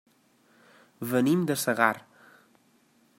Venim de Segart.